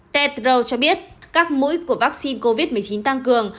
tedro cho biết các mũi của vaccine covid một mươi chín tăng cường